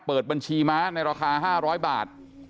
เปิดบัญชีม้าในราคา๕๐๐บาท